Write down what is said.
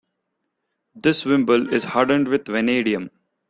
This wimble is hardened with vanadium.